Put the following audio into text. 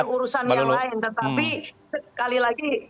satu hal soal bergenepolisi itu biar urusan yang lain